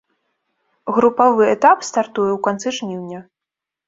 Групавы этап стартуе ў канцы жніўня.